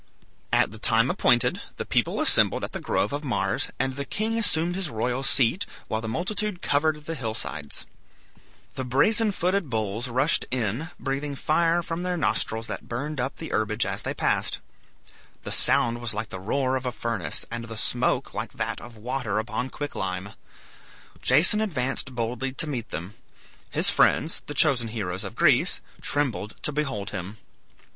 At the time appointed, the people assembled at the grove of Mars, and the king assumed his royal seat, while the multitude covered the hill sides. The brazen footed bulls rushed in, breathing fire from their nostrils that burned up the herbage as they passed. The sound was like the roar of a furnace, and the smoke like that of water upon quick lime. Jason advanced boldly to meet them. His friends, the chosen heroes of Greece, trembled to behold him.